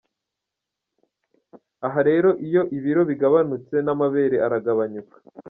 Aha rero iyo ibiro bigabanutse n’amabere aragabanyuka.